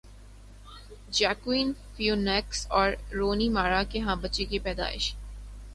Joaquin Phoenix اور Rooney Mara کے ہاں بچے کی پیدائش